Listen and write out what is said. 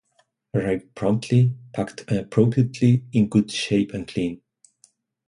Arrive promptly, packed appropriately, in good shape and clean.